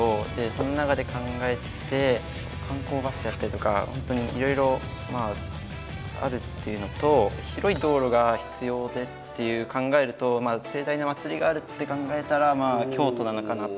その中で考えて観光バスだったりとか本当にいろいろあるっていうのと広い道路が必要でって考えると盛大な祭りがあるって考えたら京都なのかなとか思ってます。